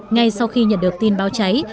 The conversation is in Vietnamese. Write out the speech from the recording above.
ngay sau khi nhận được tin báo cháy